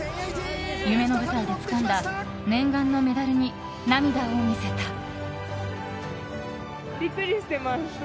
夢の舞台でつかんだ念願のメダルに涙を見せた。